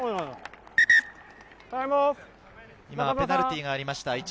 今ペナルティーがありました。